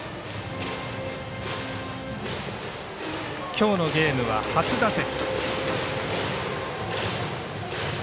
きょうのゲームは初打席。